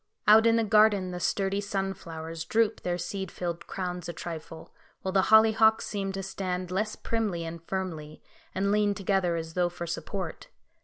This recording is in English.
Out in the garden the sturdy sunflowers droop their seed filled crowns a trifle, while the hollyhocks seem to stand less primly and firmly, and lean together as though for support.